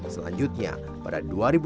selanjutnya pada dua ribu sembilan